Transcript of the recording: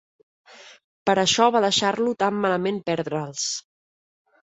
Per això va deixar-lo tan malament perdre'ls.